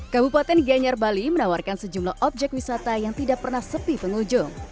kabupaten gianyar bali menawarkan sejumlah objek wisata yang tidak pernah sepi pengunjung